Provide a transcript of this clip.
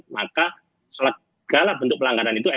maka segala bentuk pelanggaran itu mk menegakkan